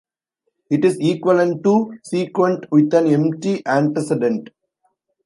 It is equivalent to a sequent with an empty antecedent.